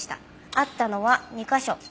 あったのは２カ所。